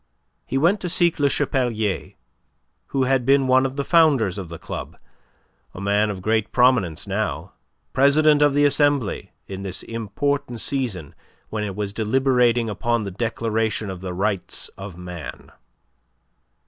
He went to seek Le Chapelier, who had been one of the founders of the club, a man of great prominence now, president of the Assembly in this important season when it was deliberating upon the Declaration of the Rights of Man.